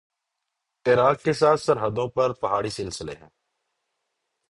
عراق کے ساتھ سرحدوں پر پہاڑی سلسلے ہیں